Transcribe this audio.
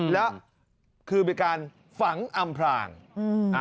และคือเป็นการฝังอำพราง